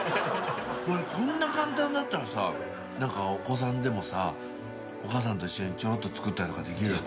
こんな簡単だったらさお子さんでもさお母さんと一緒にちょろっと作ったりとかできるよ。